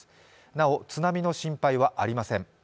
なお、津波の心配はありません。